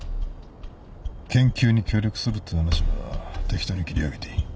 研究に協力するって話は適当に切り上げていい。